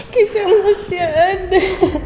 bisa masih ada